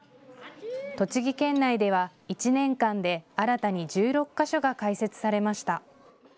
栃木県内では１年間で新たに１６か所が開設されました。